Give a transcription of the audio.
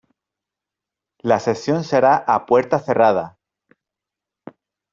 La sesión se hará a puerta cerrada.